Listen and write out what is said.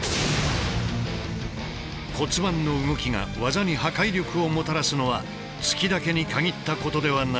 骨盤の動きが技に破壊力をもたらすのは突きだけに限ったことではない。